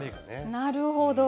なるほど。